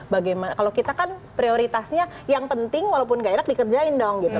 bagaimana kalau kita kan prioritasnya yang penting walaupun gak enak dikerjain dong gitu